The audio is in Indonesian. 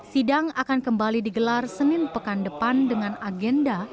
sidang akan kembali digelar senin pekan depan dengan agenda